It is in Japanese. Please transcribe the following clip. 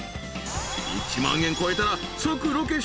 ［１万円超えたら即ロケ終了］